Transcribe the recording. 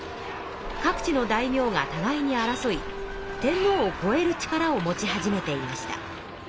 各地の大名がたがいに争い天皇をこえる力を持ち始めていました。